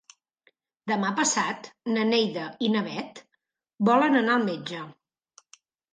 Demà passat na Neida i na Bet volen anar al metge.